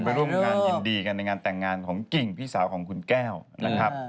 ร่วมงานยินดีกันในงานแต่งงานของกิ่งพี่สาวของคุณแก้วนะครับ